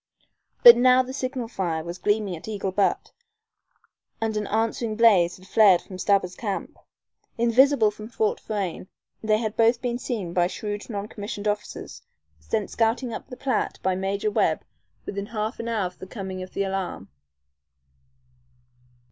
But now the signal fire was gleaming at Eagle Butte, and an answering blaze had flared from Stabber's camp. Invisible from Fort Frayne, they had both been seen by shrewd non commissioned officers, sent scouting up the Platte by Major Webb within half an hour of the coming of the alarm.